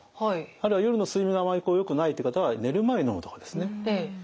あるいは夜の睡眠があまりよくないって方は寝る前にのむとかですね。